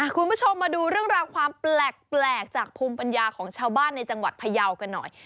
คุณผู้ชมมาดูเรื่องราวความแปลกจากภูมิปัญญาของชาวบ้านในจังหวัดพยาวกันหน่อย